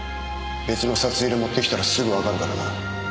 別の札入れ持ってきたらすぐわかるからな。